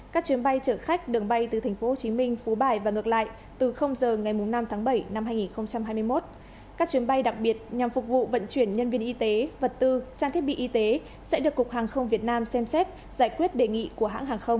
các chuyến bay đặc biệt nhằm phục vụ vận chuyển nhân viên y tế vật tư trang thiết bị y tế sẽ được cục hàng không việt nam xem xét giải quyết đề nghị của hãng hàng không